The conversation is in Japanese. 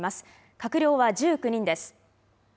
閣僚は１９人です。